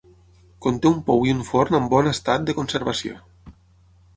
Conté un pou i un forn amb bon estat de conservació.